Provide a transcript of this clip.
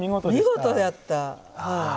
見事やった。